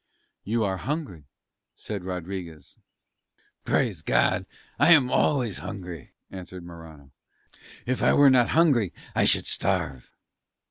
"You are hungry," said Rodriguez. "Praise God I am always hungry," answered Morano. "If I were not hungry I should starve."